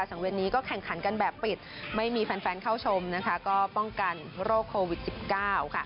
เวียนนี้ก็แข่งขันกันแบบปิดไม่มีแฟนแฟนเข้าชมนะคะก็ป้องกันโรคโควิด๑๙ค่ะ